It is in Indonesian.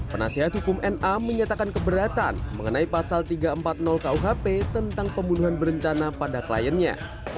penasehat hukum na menyatakan keberatan mengenai pasal tiga ratus empat puluh kuhp tentang pembunuhan berencana pada kliennya